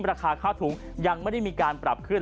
ราคาข้าวถุงยังไม่ได้มีการปรับขึ้น